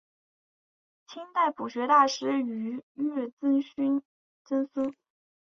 清代朴学大师俞樾曾孙。